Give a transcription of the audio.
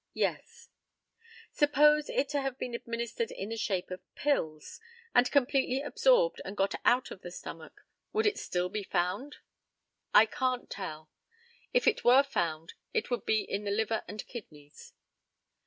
Yes. Suppose it to have been administered in the shape of pills, and completely absorbed and got out of the stomach, would it still be found? I can't tell. If it were found, it would be in the liver and kidneys.